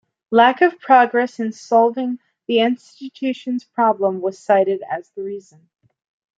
Lack of progress in solving the institution's problems was cited as the reason.